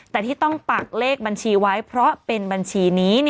แต่ที่ต้องปากเลขบัญชีไว้เพราะเป็นบัญชีนี้